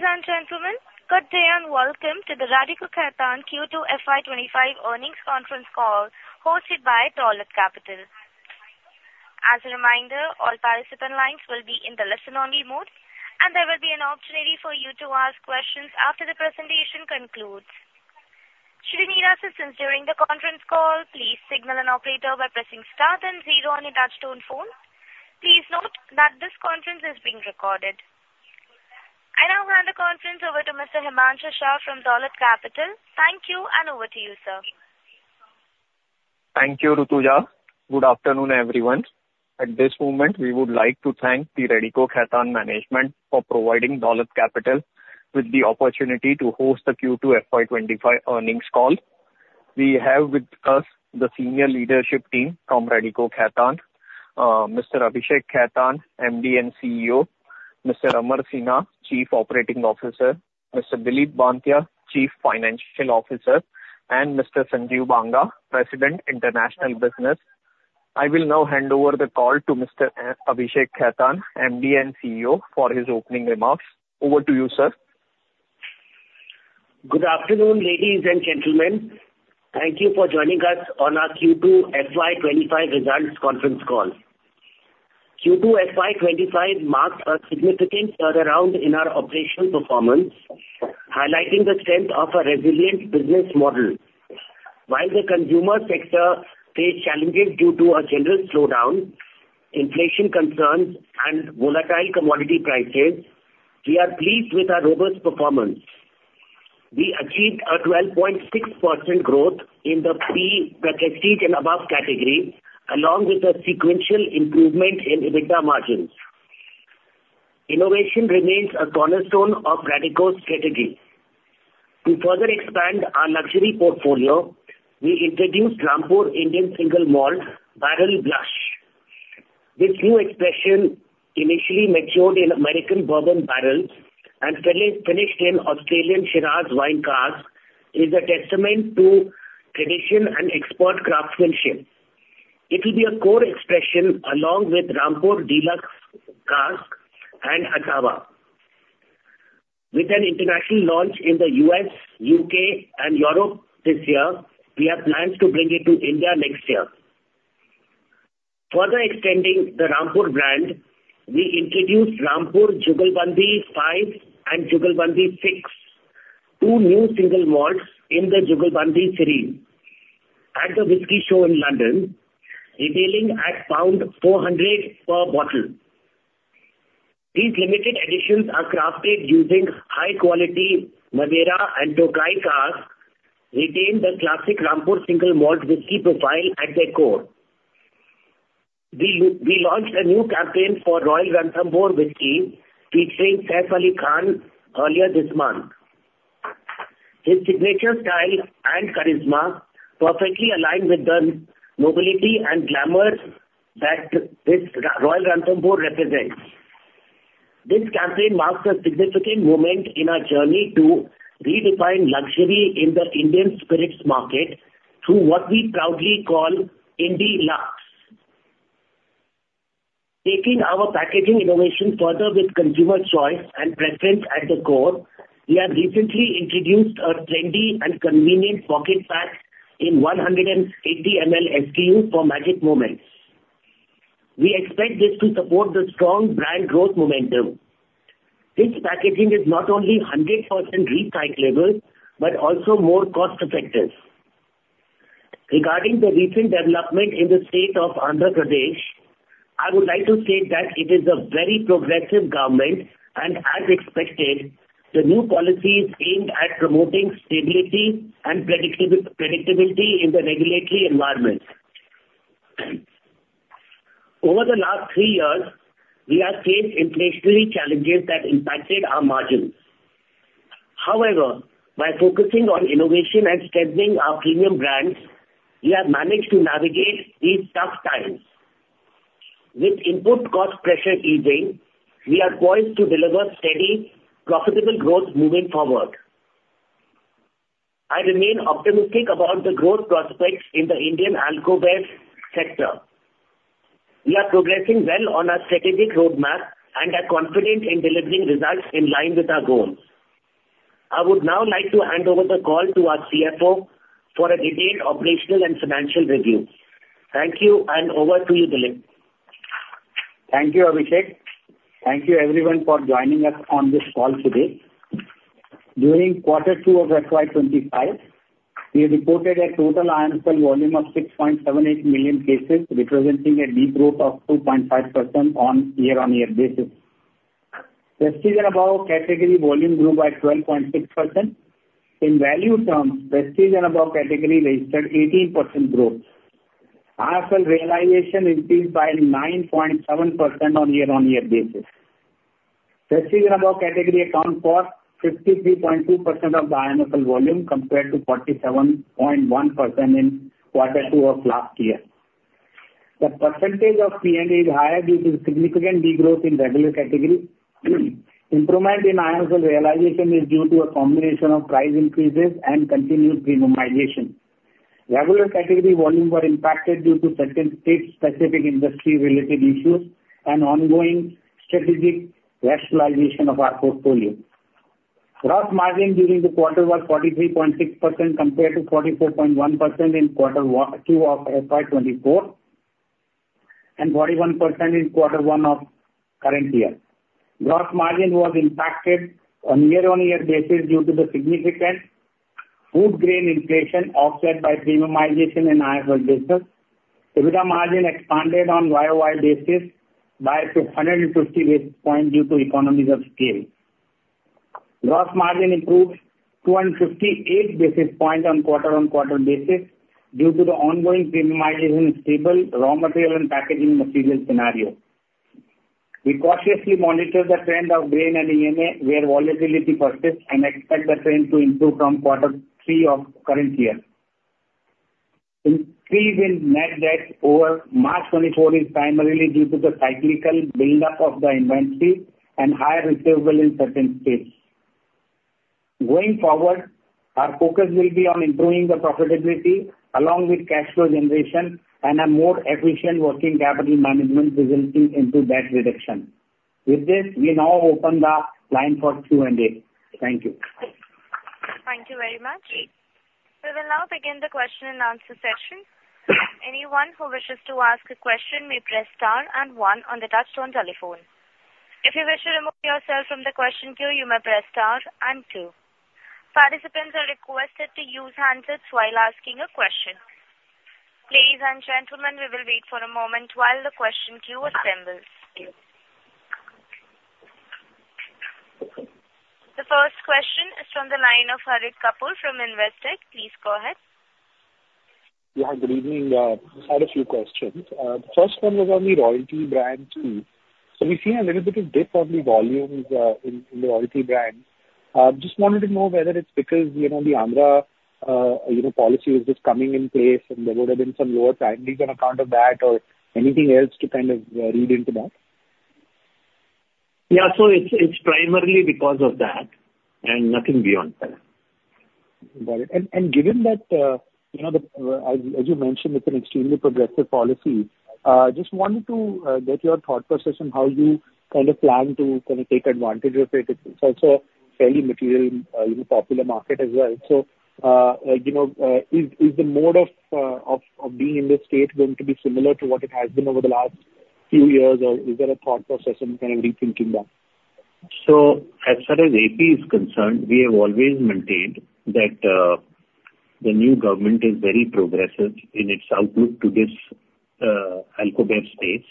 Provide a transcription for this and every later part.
Ladies and gentlemen, good day and welcome to the Radico Khaitan Q2 FY25 Earnings Conference Call, hosted by Dolat Capital. As a reminder, all participant lines will be in the listen-only mode, and there will be an opportunity for you to ask questions after the presentation concludes. Should you need assistance during the conference call, please signal an operator by pressing star then zero on your touchtone phone. Please note that this conference is being recorded. I now hand the conference over to Mr. Himanshu Shah from Dolat Capital. Thank you, and over to you, sir. Thank you, Rutuja. Good afternoon, everyone. At this moment, we would like to thank the Radico Khaitan management for providing Dolat Capital with the opportunity to host the Q2 FY25 Earnings Call. We have with us the senior leadership team from Radico Khaitan, Mr. Abhishek Khaitan, MD and CEO, Mr. Amar Sinha, Chief Operating Officer, Mr. Dilip Banthiya, Chief Financial Officer, and Mr. Sanjeev Banga, President, International Business. I will now hand over the call to Mr. Abhishek Khaitan, MD and CEO, for his opening remarks. Over to you, sir. Good afternoon, ladies and gentlemen. Thank you for joining us on our Q2 FY25 Results Conference Call. Q2 FY25 marks a significant turnaround in our operational performance, highlighting the strength of a resilient business model. While the consumer sector faced challenges due to a general slowdown, inflation concerns, and volatile commodity prices, we are pleased with our robust performance. We achieved a 12.6% growth in the prestige and above category, along with a sequential improvement in EBITDA margins. Innovation remains a cornerstone of Radico's strategy. To further expand our luxury portfolio, we introduced Rampur Indian Single Malt Barrel Blush. This new expression, initially matured in American bourbon barrels and fully finished in Australian Shiraz wine casks, is a testament to tradition and expert craftsmanship. It will be a core expression along with Rampur Deluxe Cask and Asava. With an international launch in the U.S., U.K., and Europe this year, we have plans to bring it to India next year. Further extending the Rampur brand, we introduced Rampur Jugalbandi 5 and Jugalbandi 6, two new single malts in the Jugalbandi 3 at the Whiskey Show in London, retailing at pound 400 per bottle. These limited editions are crafted using high quality Madeira and Tokaj casks, retaining the classic Rampur single malt whiskey profile at their core. We launched a new campaign for Royal Ranthambore Whiskey featuring Saif Ali Khan earlier this month. His signature style and charisma perfectly align with the nobility and glamour that this Royal Ranthambore represents. This campaign marks a significant moment in our journey to redefine luxury in the Indian spirits market through what we proudly call IndiLuxe. Taking our packaging innovation further with consumer choice and preference at the core, we have recently introduced a trendy and convenient pocket pack in 180 ml SKU for Magic Moments. We expect this to support the strong brand growth momentum. This packaging is not only 100% recyclable, but also more cost effective. Regarding the recent development in the state of Andhra Pradesh, I would like to state that it is a very progressive government, and as expected, the new policy is aimed at promoting stability and predictability in the regulatory environment. Over the last three years, we have faced inflationary challenges that impacted our margins. However, by focusing on innovation and strengthening our premium brands, we have managed to navigate these tough times. With input cost pressure easing, we are poised to deliver steady, profitable growth moving forward. I remain optimistic about the growth prospects in the Indian alcobev sector. We are progressing well on our strategic roadmap and are confident in delivering results in line with our goals. I would now like to hand over the call to our CFO for a detailed operational and financial review. Thank you, and over to you, Dilip. Thank you, Abhishek. Thank you everyone for joining us on this call today. During Q2 of FY 25, we reported a total IMFL volume of 6.78 million cases, representing a decent growth of 2.5% on year-on-year basis. Prestige and above category volume grew by 12.6%. In value terms, prestige and above category registered 18% growth. IMFL realization increased by 9.7% on year-on-year basis. Prestige and above category account for 53.2% of the IMFL volume, compared to 47.1% in Q2 of last year. The percentage of P&A is higher due to significant de-growth in regular category. Improvement in IMFL realization is due to a combination of price increases and continued premiumization. Regular category volume were impacted due to certain state-specific industry-related issues and ongoing strategic rationalization of our portfolio. Gross margin during the quarter was 43.6%, compared to 44.1% in Q1, two of FY 24, and 41% in Q1 of current year. Gross margin was impacted on year-on-year basis due to the significant food grain inflation, offset by premiumization and IMFL business. EBITDA margin expanded on YOY basis by 250 basis points due to economies of scale. Gross margin improved two and fifty-eight basis points on quarter-on-quarter basis due to the ongoing premiumization in stable raw material and packaging material scenario. We cautiously monitor the trend of grain and E&A, where volatility persists, and expect the trend to improve from Q3 of current year. Increase in net debt over March 2024 is primarily due to the cyclical buildup of the inventory and higher receivable in certain states. Going forward, our focus will be on improving the profitability along with cash flow generation and a more efficient working capital management, resulting into debt reduction. With this, we now open the line for Q&A. Thank you. Thank you very much. We will now begin the question and answer session. Anyone who wishes to ask a question may press star and one on the touchtone telephone. If you wish to remove yourself from the question queue, you may press star and two. Participants are requested to use handsets while asking a question. Ladies and gentlemen, we will wait for a moment while the question queue assembles. The first question is from the line of Harit Kapoor from Investec. Please go ahead. Yeah, good evening. I just had a few questions. The first one was on the Royal Ranthambore too. So we've seen a little bit of dip on the volumes in the Royal Ranthambore. Just wanted to know whether it's because, you know, the Andhra policy is just coming in place, and there would have been some lower primaries on account of that or anything else to kind of read into that? Yeah. So it's, it's primarily because of that, and nothing beyond that. Got it. And given that, you know, as you mentioned, it's an extremely progressive policy. Just wanted to get your thought process on how you kind of plan to kind of take advantage of it. It's also fairly material in the popular market as well. So, like, you know, is the mode of being in this state going to be similar to what it has been over the last few years, or is there a thought process and kind of rethinking that? So as far as AP is concerned, we have always maintained that, the new government is very progressive in its outlook to this, alcohol space.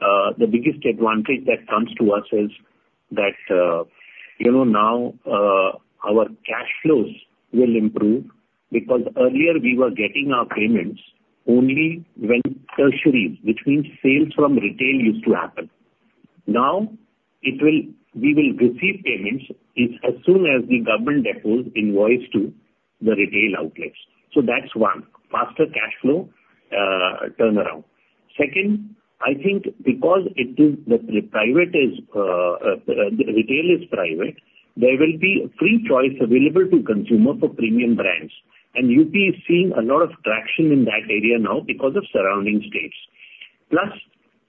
The biggest advantage that comes to us is that, you know, now, our cash flows will improve, because earlier we were getting our payments only when tertiary, which means sales from retail, used to happen. Now, it will... We will receive payments is as soon as the government depots invoice to the retail outlets. So that's one, faster cash flow, turnaround. Second, I think because it is the private is, retail is private, there will be free choice available to consumer for premium brands. And UP is seeing a lot of traction in that area now because of surrounding states. Plus,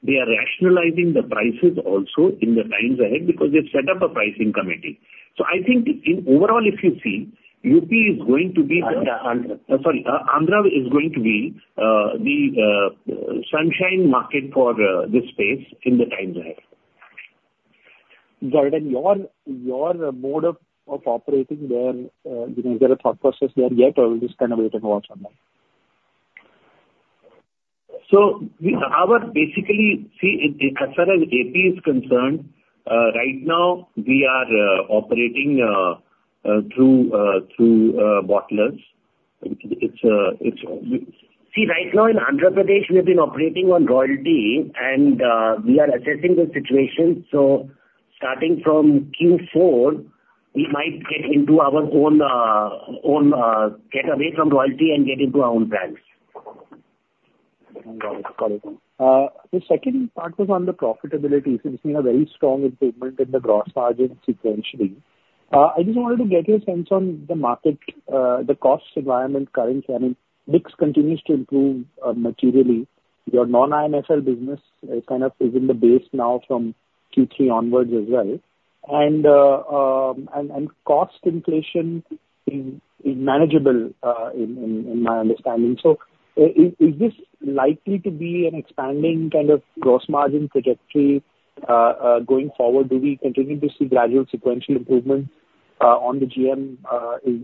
they are rationalizing the prices also in the times ahead, because they've set up a pricing committee. So I think in overall, if you see, UP is going to be the Andhra. Sorry, Andhra is going to be the sunshine market for this space in the times ahead. Got it. And you're mode of operating there, you know, is there a thought process there yet, or we'll just kind of wait and watch on that? So we're basically, see, as far as AP is concerned, right now, we are operating through bottlers. It's see, right now in Andhra Pradesh, we've been operating on royalty and we are assessing the situation. So starting from Q4, we might get into our own, get away from royalty and get into our own brands. The second part was on the profitability. So we've seen a very strong improvement in the gross margin sequentially. I just wanted to get your sense on the market, the cost environment currently. I mean, mix continues to improve materially. Your non-IMFL business is kind of in the base now from Q3 onwards as well. And cost inflation is manageable in my understanding. So is this likely to be an expanding kind of gross margin trajectory going forward? Do we continue to see gradual sequential improvement on the GM?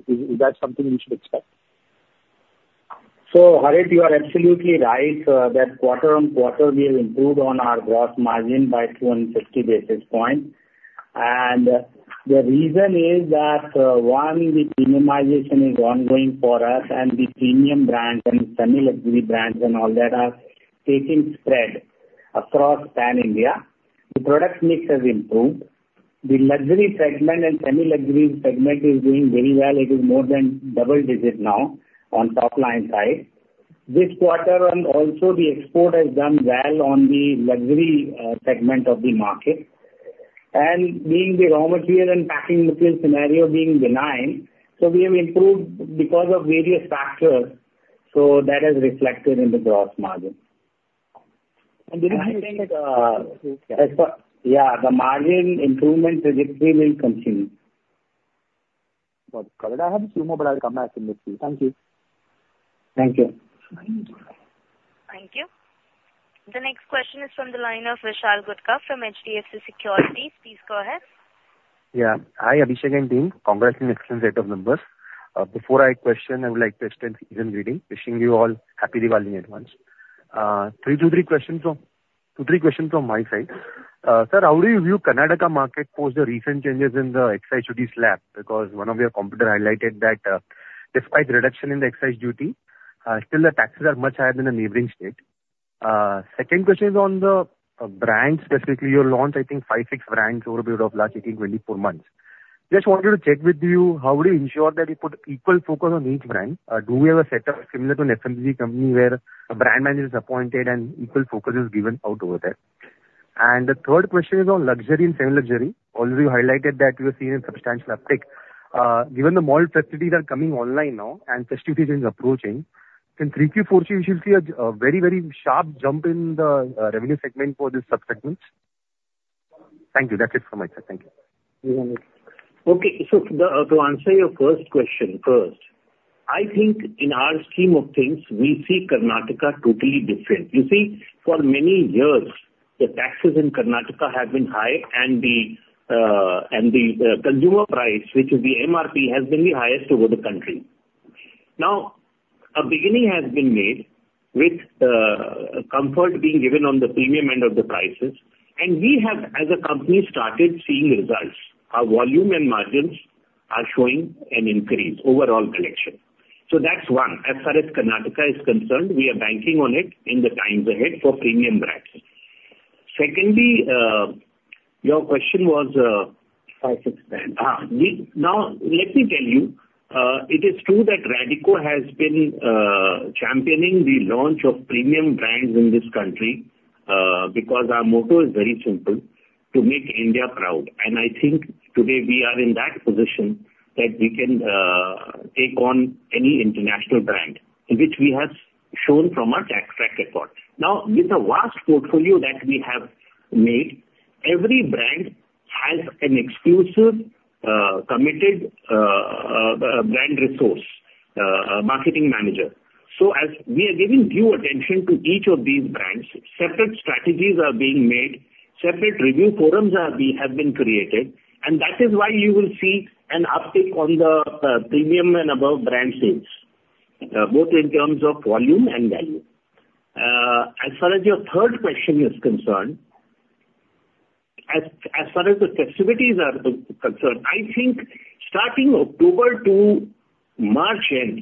Is that something we should expect? Harit, you are absolutely right, that quarter-on-quarter, we have improved on our gross margin by 250 basis points. The reason is that, one, the premiumization is ongoing for us, and the premium brands and semi-luxury brands and all that are taking spread across pan-India. The product mix has improved. The luxury segment and semi-luxury segment is doing very well. It is more than double digits now on top line side. This quarter and also the export has done well on the luxury segment of the market, and being the raw material and packing material scenario being benign, so we have improved because of various factors, so that is reflected in the gross margin. Do you think? Yeah, the margin improvement trajectory will continue. Got it. I have a few more, but I'll come back in with you. Thank you. Thank you. Thank you. The next question is from the line of Vishal Gutka from HDFC Securities. Please go ahead. Yeah. Hi, Abhishek and team. Congrats on excellent set of numbers. Before I question, I would like to extend season's greetings. Wishing you all happy Diwali in advance. Two, three questions from my side. Sir, how do you view Karnataka market post the recent changes in the excise duty slab? Because one of your competitor highlighted that, despite reduction in the excise duty, still the taxes are much higher than the neighboring state. Second question is on the brands, specifically your launch, I think five, six brands over a period of last 18, 24 months. Just wanted to check with you, how do you ensure that you put equal focus on each brand? Do we have a setup similar to an FMCG company, where a brand manager is appointed and equal focus is given out over there? And the third question is on luxury and semi-luxury. Already you highlighted that you are seeing a substantial uptick. Given the mall festivities are coming online now and festivities is approaching, in three Q, four Q, you should see a very, very sharp jump in the revenue segment for this sub-segments. Thank you. That's it from my side. Thank you. Okay. So, to answer your first question first, I think in our scheme of things, we see Karnataka totally different. You see, for many years, the taxes in Karnataka have been high and the consumer price, which is the MRP, has been the highest in the country. Now, a beginning has been made with comfort being given on the premium end of the prices, and we have, as a company, started seeing results. Our volume and margins are showing an increase, overall collection. So that's one. As far as Karnataka is concerned, we are banking on it in the times ahead for premium brands. Secondly, your question was, Five, six brands. Now, let me tell you, it is true that Radico has been championing the launch of premium brands in this country, because our motto is very simple: to make India proud. And I think today we are in that position that we can take on any international brand, which we have shown from our track record. Now, with the vast portfolio that we have made, every brand has an exclusive committed brand resource, a marketing manager. So as we are giving due attention to each of these brands, separate strategies are being made, separate review forums have been created, and that is why you will see an uptick on the premium and above brand sales, both in terms of volume and value. As far as your third question is concerned, as far as the festivities are concerned, I think starting October to March end,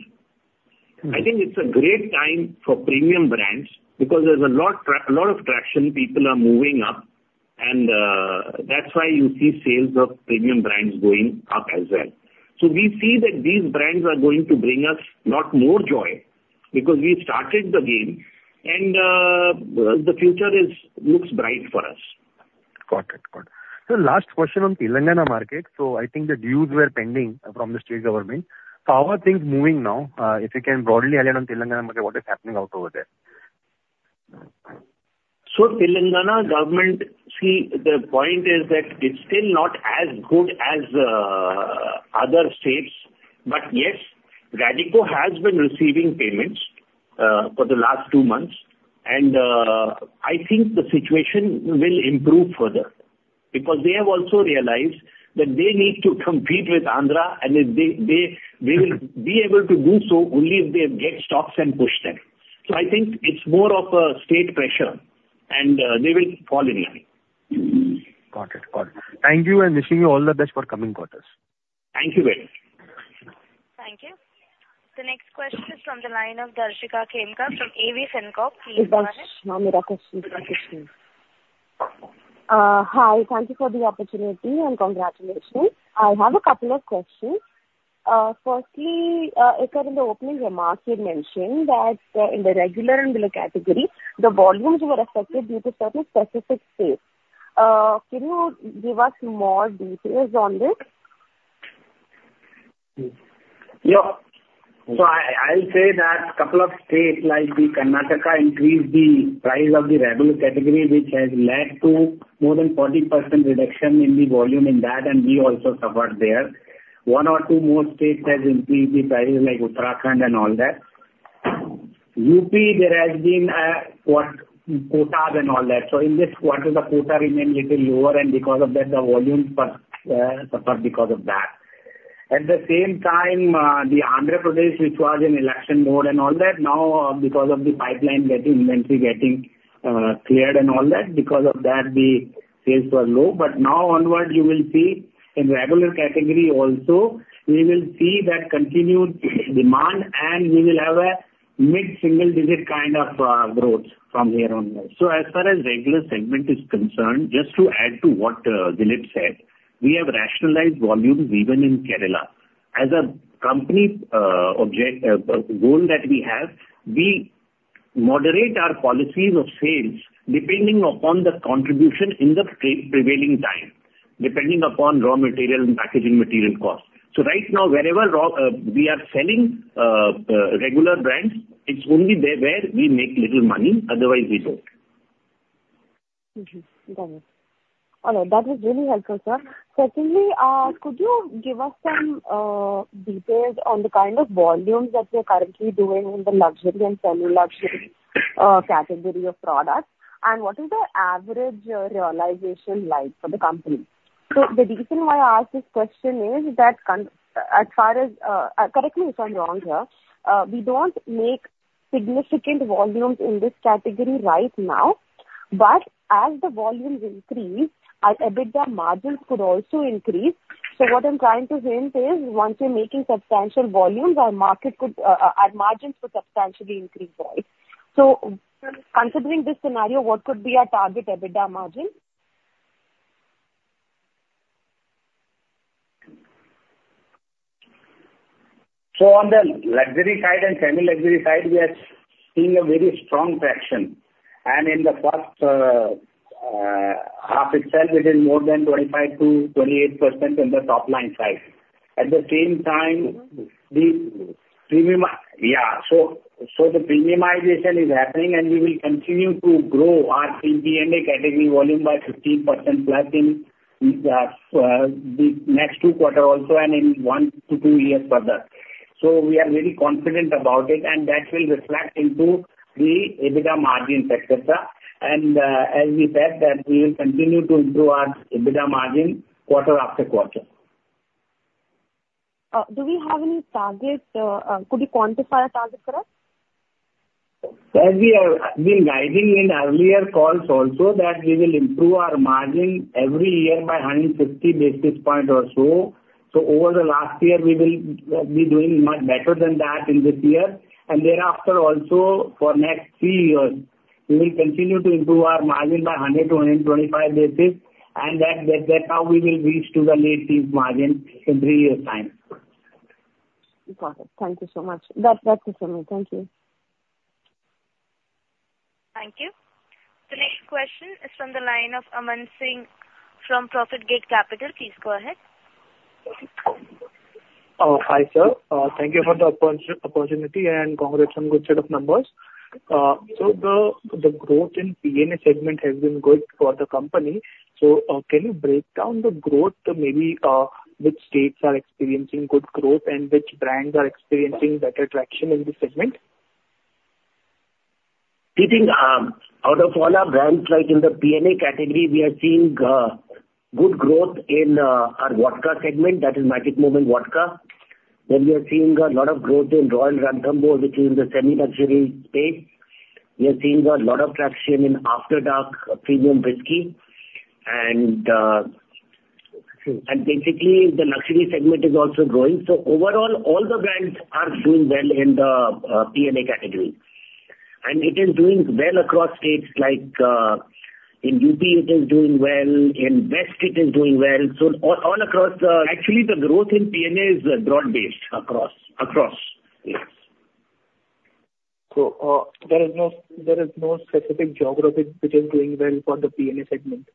I think it's a great time for premium brands because there's a lot of traction, people are moving up, and that's why you see sales of premium brands going up as well. So we see that these brands are going to bring us lot more joy because we started the game and the future looks bright for us. Got it. Got it. So last question on Telangana market. So I think the dues were pending from the state government. So how are things moving now? If you can broadly elaborate on Telangana market, what is happening out over there? So, Telangana government, see, the point is that it's still not as good as other states. But yes, Radico has been receiving payments for the last two months, and I think the situation will improve further. Because they have also realized that they need to compete with Andhra, and that they we will be able to do so only if they get stocks and push them. So I think it's more of a state pressure, and they will fall in line. Got it. Got it. Thank you, and wishing you all the best for coming quarters. Thank you very much. Thank you. The next question is from the line of Darshika Khemka, from Arihant Capital. Please go ahead. Hi. Thank you for the opportunity, and congratulations. I have a couple of questions. Firstly, sir in the opening remarks, you mentioned that, in the regular and below category, the volumes were affected due to certain specific states. Can you give us more details on this? Yeah. So I'll say that a couple of states, like Karnataka, increased the price of the regular category, which has led to more than 40% reduction in the volume in that, and we also suffered there. One or two more states has increased the prices, like Uttarakhand and all that. UP, there has been quotas and all that. In this quarter, the quota remained a little lower, and because of that, the volumes suffered because of that. At the same time, Andhra Pradesh, which was in election mode and all that, now, because of the pipeline getting inventory getting cleared and all that, because of that, the sales were low. But now onwards, you will see in regular category also, we will see that continued demand, and we will have a mid-single digit kind of growth from here on out. As far as regular segment is concerned, just to add to what Dilip said, we have rationalized volumes even in Kerala. As a company, objective goal that we have, we moderate our policies of sales depending upon the contribution in the prevailing time, depending upon raw material and packaging material costs. So right now, wherever we are selling regular brands, it's only there where we make little money, otherwise we don't. Got it. All right. That was really helpful, sir. Secondly, could you give us some details on the kind of volumes that you're currently doing in the luxury and semi-luxury category of products? And what is the average realization like for the company? So the reason why I ask this question is that as far as, correct me if I'm wrong here, we don't make significant volumes in this category right now, but as the volumes increase, our EBITDA margins could also increase. So what I'm trying to hint is, once you're making substantial volumes, our market could, our margins could substantially increase volume. So considering this scenario, what could be our target EBITDA margin? So on the luxury side and semi-luxury side, we are seeing a very strong traction, and in the first half itself, it is more than 25-28% in the top line side. At the same time, the premium, Yeah so, so the premiumization is happening, and we will continue to grow our P&A category volume by 15% plus in the next two quarter also and in one to two years further. So we are very confident about it, and that will reflect into the EBITDA margin factor. And, as we said, that we will continue to improve our EBITDA margin quarter-after-quarter. Do we have any targets, could you quantify a target for us? As we have been guiding in earlier calls also, that we will improve our margin every year by 150 basis points or so, so over the last year, we will be doing much better than that in this year, and thereafter also for next three years, we will continue to improve our margin by 100 to 125 basis points, and that how we will reach to the late teens margin in three years' time. Got it. Thank you so much. That's, that's it for me. Thank you. Thank you. The next question is from the line of Aman Singh from Profitgate Capital. Please go ahead. Hi, sir. Thank you for the opportunity, and congrats on good set of numbers. So the growth in P&A segment has been good for the company, so can you break down the growth, maybe which states are experiencing good growth and which brands are experiencing better traction in this segment? I think, out of all our brands, like in the P&A category, we are seeing good growth in our vodka segment, that is Magic Moments Vodka. Then we are seeing a lot of growth in Royal Ranthambore, which is in the semi-luxury space. We are seeing a lot of traction in After Dark premium whisky. And basically, the luxury segment is also growing. So overall, all the brands are doing well in the P&A category. And it is doing well across states, like in UP it is doing well, in West it is doing well. So all across the... Actually, the growth in P&A is broad-based across. Yes. There is no specific geography which is doing well for the P&A segment?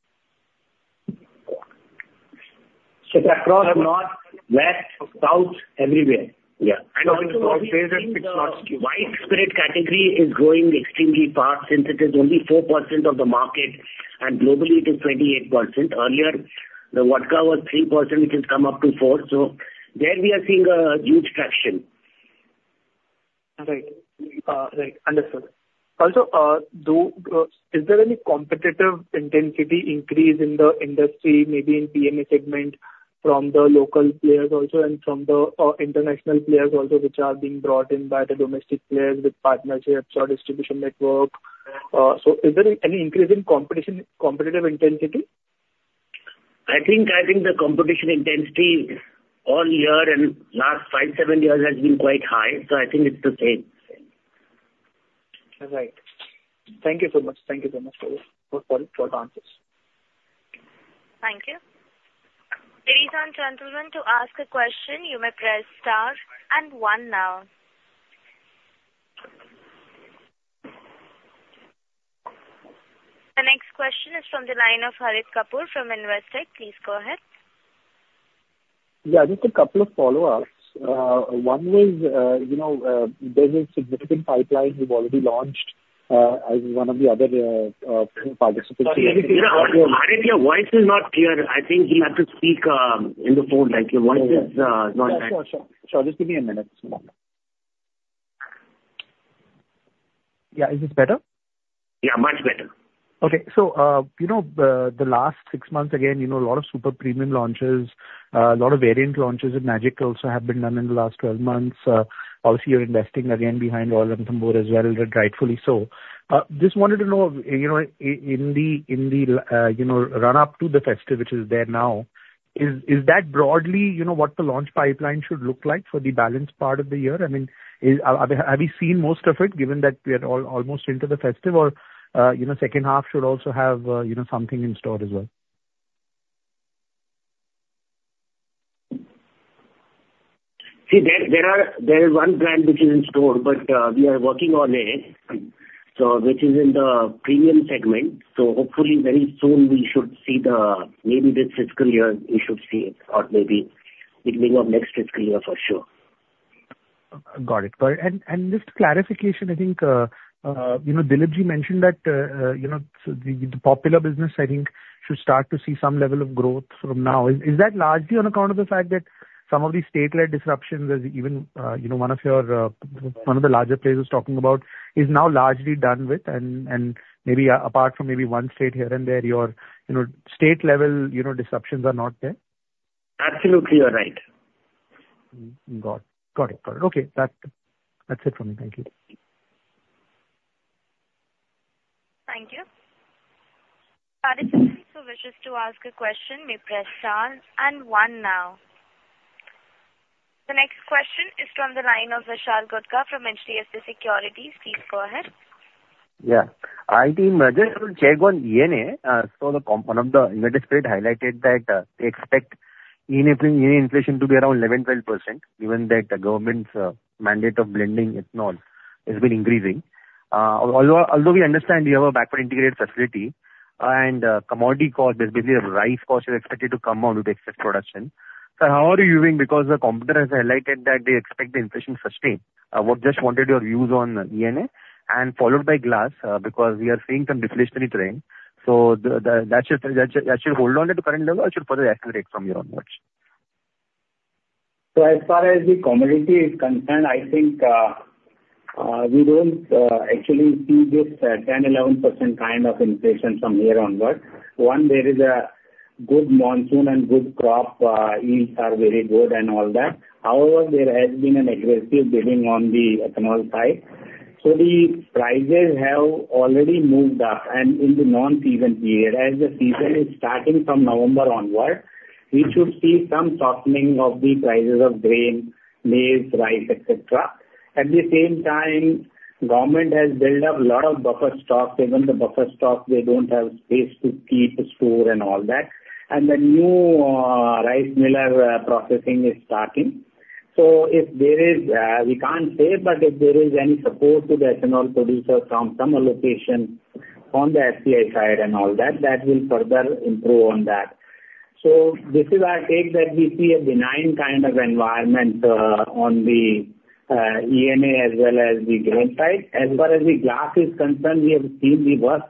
It's across North, West, South, everywhere. Yeah. And also White spirit category is growing extremely fast, since it is only 4% of the market, and globally it is 28%. Earlier, the vodka was 3%, which has come up to 4%, so there we are seeing a huge traction. All right. Right. Understood. Also, is there any competitive intensity increase in the industry, maybe in P&A segment, from the local players also and from the international players also, which are being brought in by the domestic players with partnerships or distribution network? So is there any increase in competition, competitive intensity? I think, I think the competition intensity all year and last five, seven years has been quite high, so I think it's the same. All right. Thank you so much. Thank you so much for the answers. Thank you. Ladies and gentlemen, to ask a question, you may press star and one now. The next question is from the line of Harit Kapoor from Investec. Please go ahead. Yeah, just a couple of follow-ups. One was, you know, there's a significant pipeline you've already launched, as one of the other participants Harit, your voice is not clear. I think you have to speak, in the phone, like your voice is, not Sure, sure, sure. Just give me a minute. Yeah, is this better? Yeah, much better. Okay. So, you know, the last six months, again, you know, a lot of super premium launches, a lot of variant launches with Magic also have been done in the last twelve months. Obviously, you're investing again behind Royal Ranthambore as well, and rightfully so. Just wanted to know, you know, in the, you know, run-up to the festive, which is there now, is that broadly, you know, what the launch pipeline should look like for the balance part of the year? I mean, have we seen most of it, given that we are almost into the festive? Or, you know, second half should also have, you know, something in store as well? See, there is one brand which is in store, but we are working on it. So which is in the premium segment, so hopefully very soon we should see it, maybe this fiscal year, we should see it, or maybe beginning of next fiscal year for sure. Got it. And just clarification, I think, you know, Dilipji mentioned that, you know, so the popular business, I think, should start to see some level of growth from now. Is that largely on account of the fact that some of the state-led disruptions as even, you know, one of your, one of the larger players is talking about, is now largely done with? And maybe apart from maybe one state here and there, you're, you know, state level, you know, disruptions are not there? Absolutely, you're right. Got it. Okay. That, that's it from me. Thank you. Thank you. Participants who wish to ask a question may press star and one now. The next question is from the line of Vishal Gutka from HDFC Securities. Please go ahead. Yeah. I think just to check on E&A, so one of the investors highlighted that, they expect inflation to be around 11, 12%, given that the government's mandate of blending ethanol has been increasing. Although we understand you have a backward integrated facility, and commodity cost, the rice cost is expected to come down with excess production. So how are you doing? Because the competitor has highlighted that they expect the inflation sustained. What. Just wanted your views on E&A, and followed by glass, because we are seeing some deflationary trend. So that should hold on to the current level or should further accelerate from here onwards? So as far as the commodity is concerned, I think, we don't actually see this 10-11% kind of inflation from here onwards. One, there is a good monsoon and good crop yields are very good and all that. However, there has been an aggressive bidding on the ethanol side. So the prices have already moved up, and in the non-season period. As the season is starting from November onward, we should see some softening of the prices of grain, maize, rice, et cetera. At the same time, government has built up a lot of buffer stock. Even the buffer stock, they don't have space to keep, store and all that. And the new rice miller processing is starting. So if there is, we can't say, but if there is any support to the ethanol producer from some allocation on the FCI side and all that, that will further improve on that. So this is our take, that we see a benign kind of environment on the E&A as well as the grain side. As far as the glass is concerned, we have seen the worst.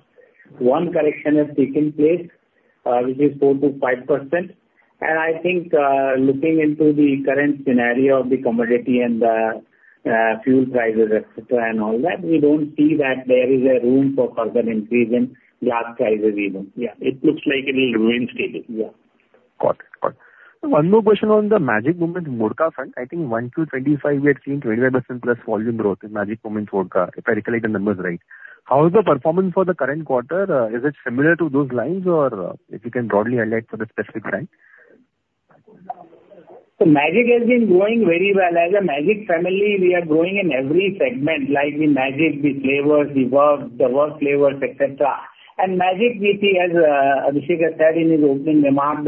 One correction has taken place, which is 4%-5%, and I think, looking into the current scenario of the commodity and the fuel prices, et cetera, and all that, we don't see that there is a room for further increase in glass prices even. Yeah, it looks like it will remain stable. Yeah. Got it. Got it. One more question on the Magic Moments Vodka front. I think one through 25, we had seen 25% plus volume growth in Magic Moments Vodka, if I recall the numbers right. How is the performance for the current quarter? Is it similar to those lines, or, if you can broadly highlight for the specific brand? So Magic has been growing very well. As a Magic family, we are growing in every segment, like the Magic, the flavors, the Verve, the Verve flavors, et cetera. And Magic, we see, as Abhishek has said in his opening remarks,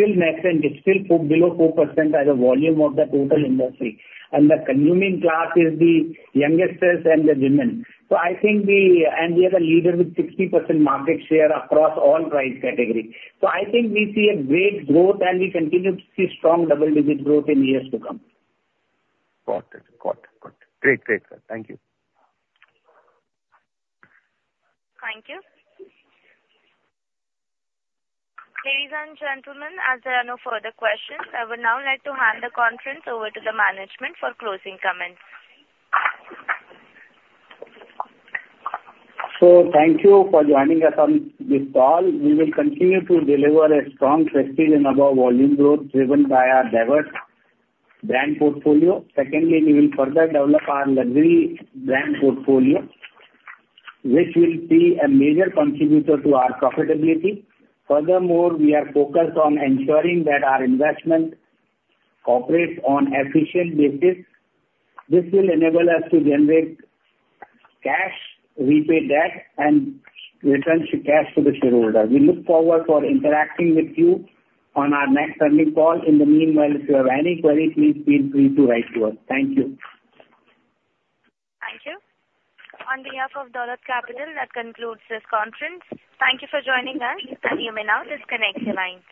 that's still next, and it's still below 4% as a volume of the total industry. And the consuming class is the youngest and the women. So I think we are a leader with 60% market share across all price category. So I think we see a great growth, and we continue to see strong double-digit growth in years to come. Got it. Got it. Got it. Great, great, sir. Thank you. Thank you. Ladies and gentlemen, as there are no further questions, I would now like to hand the conference over to the management for closing comments. Thank you for joining us on this call. We will continue to deliver a strong prestige and above volume growth, driven by our diverse brand portfolio. Secondly, we will further develop our luxury brand portfolio, which will be a major contributor to our profitability. Furthermore, we are focused on ensuring that our investment operates on an efficient basis. This will enable us to generate cash, repay debt, and return cash to the shareholder. We look forward to interacting with you on our next earnings call. In the meanwhile, if you have any queries, please feel free to write to us. Thank you. Thank you. On behalf of Dolat Capital, that concludes this conference. Thank you for joining us, and you may now disconnect your line.